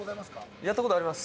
やった事あります。